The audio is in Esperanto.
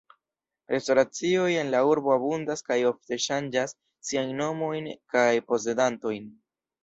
Restoracioj en la urbo abundas kaj ofte ŝanĝas siajn nomojn kaj posedantojn.